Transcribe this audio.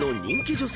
女性